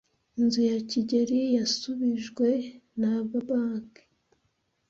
Inzu ya kigeli yasubijwe na banki.